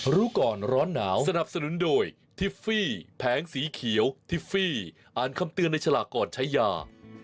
รู้ก่อนร้อนหนาวสนับสนุนโดยทิฟฟี่แผงสีเขียวทิฟฟี่อ่านคำเตือนในฉลากก่อนใช้ยา